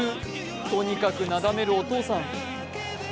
とにかくなだめるお父さん。